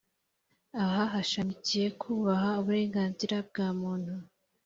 aha hashamikiyeho kubaha uburenganzira bwa muntu,